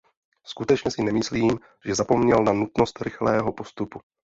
Skutečně si nemyslím, že zapomněl na nutnost rychlého postupu.